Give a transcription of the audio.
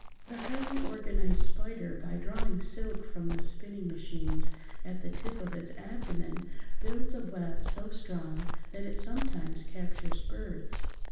The highly organized spider by drawing silk from the spinning machines at the tip of its abdomen builds a web so strong that it sometimes captures birds.